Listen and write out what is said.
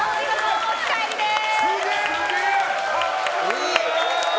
お持ち帰りです！